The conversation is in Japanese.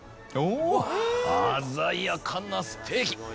鮮やかなステーキ！